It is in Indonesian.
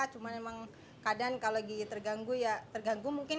cuma memang keadaan kalau lagi terganggu ya terganggu mungkin